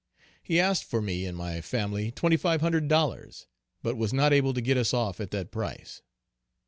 He asked for me and my family twenty five hundred dollars, but was not able to get us off at that price.